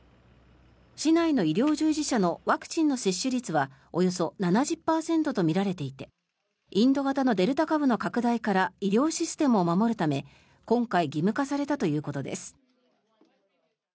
市内の医療従事者のワクチンの接種率はおよそ７０％とみられていてインド型のデルタ株の拡大から医療システムを守るため今回、義務化されたということです。